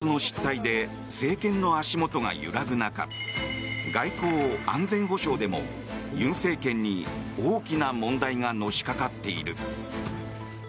警察の失態で政権の足元が揺らぐ中外交・安全保障でもユン政権に大きな問題がのしかかっている。